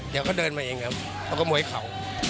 เดี๋ยวเขาเดินมาเองครับเขาก็มวยเข่า